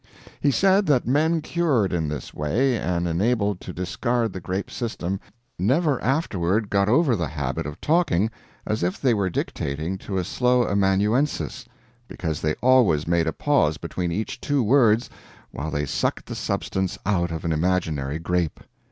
He said that men cured in this way, and enabled to discard the grape system, never afterward got over the habit of talking as if they were dictating to a slow amanuensis, because they always made a pause between each two words while they sucked the substance out of an imaginary grape.